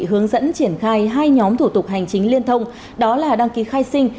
hướng dẫn triển khai hai nhóm thủ tục hành chính liên thông đó là đăng ký khai sinh